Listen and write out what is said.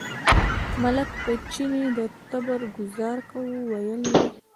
ملک په چیني د تبر ګوزار کاوه، ویل یې.